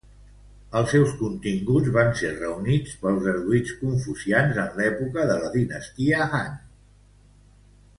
Els seus continguts van ser reunits pels erudits confucians en l'època de la dinastia Han.